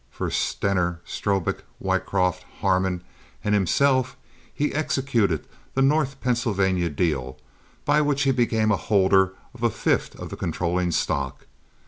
For Stener, Strobik, Wycroft, Harmon and himself he executed the North Pennsylvania deal, by which he became a holder of a fifth of the controlling stock.